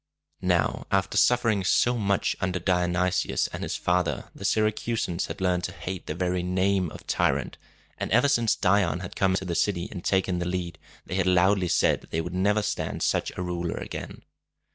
Now, after suffering so much under Dionysius and his father, the Syracusans had learned to hate the very name of tyrant; and ever since Dion had come into the city, and taken the lead, they had loudly said they would never stand such a ruler again.